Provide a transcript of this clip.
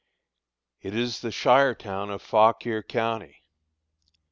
It is the shire town of Fauquier County.